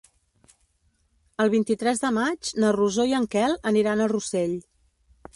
El vint-i-tres de maig na Rosó i en Quel aniran a Rossell.